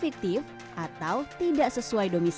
ber promovutasi di kabupaten belaka sanders schemes